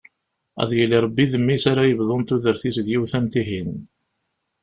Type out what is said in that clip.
Ad yili Rebbi d mmi-s ara yebḍun tudert-is d yiwet am tihin.